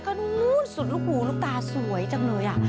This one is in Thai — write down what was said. ก็นู้นสุดลูกหูลูกตาสวยจังเลย